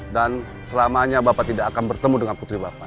dan selamanya bapak tidak akan bertemu dengan putri bapak